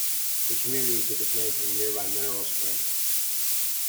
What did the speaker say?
The community took its name from a nearby mineral spring.